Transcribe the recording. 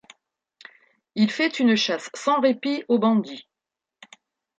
Il fait une chasse sans répit aux bandits.